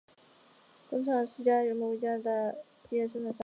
帕拉军工厂是一家原本位于加拿大安大略省多伦多的小型枪械生产商。